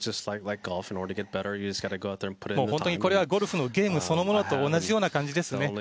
これはゴルフのゲームそのものと同じような感じですね。